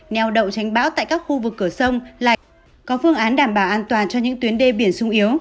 neo đậu tránh bão tại các khu vực cửa sông lại có phương án đảm bảo an toàn cho những tuyến đê biển sung yếu